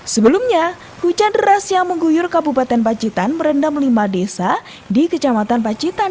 sebelumnya hujan deras yang mengguyur kabupaten pacitan merendam lima desa di kecamatan pacitan